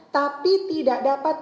tapi tidak dapat